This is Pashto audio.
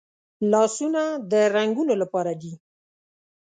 لاسونه د رنګولو لپاره دي